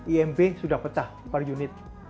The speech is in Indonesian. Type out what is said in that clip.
imb sudah pecah per unit